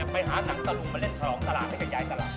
ไปหาหนังตะลุงมาเล่นฉลองตลาดให้ขยายตลาด